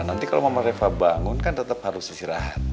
nanti kalo mamenya reva bangun kan tetep harus istirahat